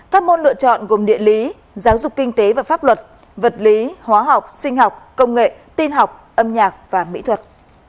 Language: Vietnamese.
các môn lựa chọn gồm địa lý giáo dục kinh tế và pháp luật vật lý hóa học sinh học công nghệ tin học âm nhạc và mỹ thuật